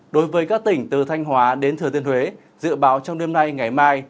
đối với các tỉnh từ thanh hóa đến thừa tiên huế dự báo trong đêm nay ngày mai